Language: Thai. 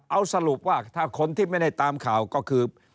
เอาสรุปว่าถ้าคนที่ไม่ได้ตามข่าวก็คือ